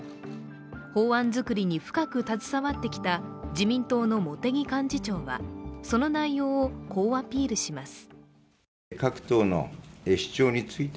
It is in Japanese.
法案作りに深く携わってきた自民党の茂木幹事長はその内容をこうアピールします。